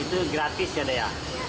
itu gratis ya dayal